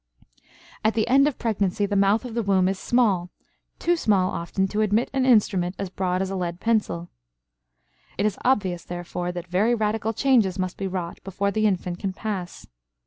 At the end of pregnancy the mouth of the womb is small, too small, often, to admit an instrument as broad as a lead pencil. It is obvious, therefore, that very radical changes must be wrought before the infant can pass.